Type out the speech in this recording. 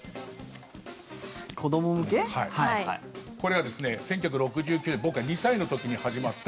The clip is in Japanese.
これはですね、１９６９年僕が２歳の時に始まった。